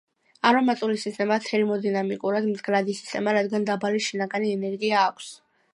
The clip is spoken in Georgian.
არომატული სისტემა თერმოდინამიკურად მდგრადი სისტემაა, რადგან დაბალი შინაგანი ენერგია აქვს.